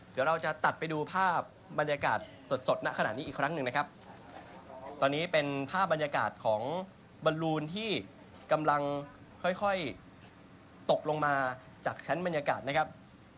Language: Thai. เดี๋ยวเราจะตัดไปดูภาพบรรยากาศสดสดณขณะนี้อีกครั้งหนึ่งนะครับตอนนี้เป็นภาพบรรยากาศของบรรลูนที่กำลังค่อยค่อยตกลงมาจากชั้นบรรยากาศนะครับ